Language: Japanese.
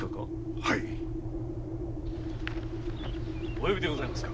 お呼びでございますか。